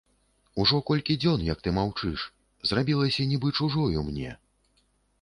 Ужо колькі дзён, як ты маўчыш, зрабілася нібы чужою мне.